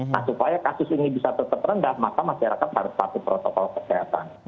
nah supaya kasus ini bisa tetap rendah maka masyarakat harus patuh protokol kesehatan